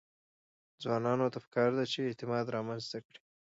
ځوانانو ته پکار ده چې، اعتماد رامنځته کړي.